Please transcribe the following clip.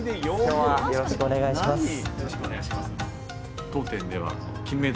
よろしくお願いします。